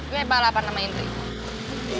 gue balapan sama indri